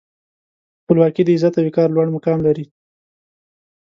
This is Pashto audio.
خپلواکي د عزت او وقار لوړ مقام لري.